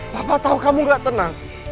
papa tau kamu gak tenang